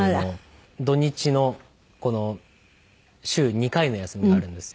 土日の週２回の休みがあるんですよ。